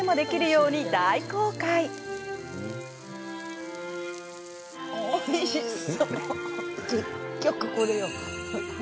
おいしそう！